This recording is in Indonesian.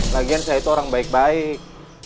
lagian saya itu orang baik baik